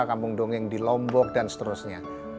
kampung dongeng di lombok dan seterusnya